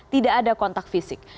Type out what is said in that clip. tidak ada kontak fisik